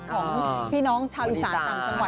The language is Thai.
ของพี่น้องชาวอีสานสามสังวัย